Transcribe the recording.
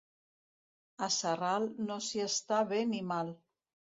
A Sarral no s'hi està bé ni mal.